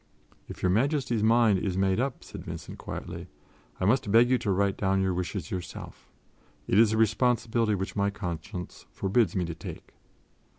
"If Your Majesty's mind is made up," said Vincent quietly, "I must beg you to write down your wishes yourself; it is a responsibility which my conscience forbids me to take."